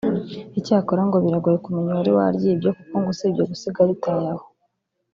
Icyakora ngo biragoye kumenya uwari waryibye kuko ngo usibye gusiga aritaye aho